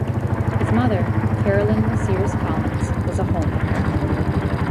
His mother, Carolyn LaSears Collins, was a homemaker.